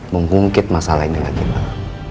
menghubungi masalah ini lagi pak